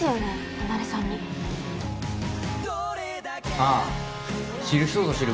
ああ知る人ぞ知る